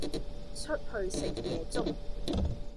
出去食夜粥？